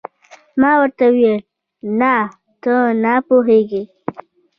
ما ورته وویل: نه، ته نه پوهېږې.